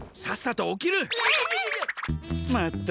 さっさと起きる！